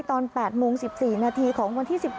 ตอน๘โมง๑๔นาทีของวันที่๑๗